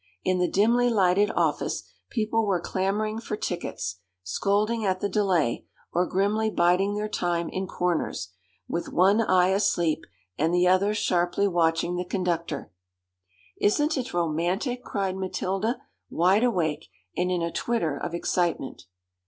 In the dimly lighted office, people were clamouring for tickets, scolding at the delay, or grimly biding their time in corners, with one eye asleep, and the other sharply watching the conductor. 'Isn't it romantic?' cried Matilda, wide awake, and in a twitter of excitement.